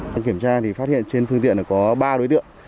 thanh kiểm tra thì phát hiện trên phương tiện có ba đối tượng